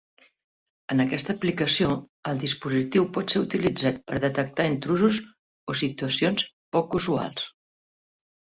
En aquesta aplicació el dispositiu pot ser utilitzat per detectar intrusos o situacions poc usuals.